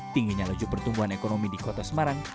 tingginya laju pertumbuhan ekonomi di kota semarang